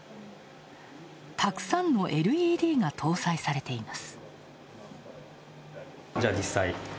たくさんのＬＥＤが搭載されています。